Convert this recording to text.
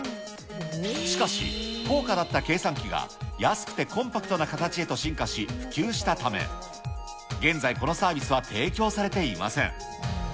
しかし、高価だった計算機が安くてコンパクトな形へと進化し、普及したため、現在、このサービスは提供されていません。